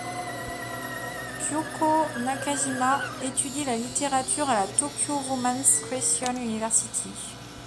Kyoko Nakajima étudie la littérature à la Tokyo Woman's Christian University.